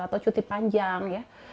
atau cuti panjang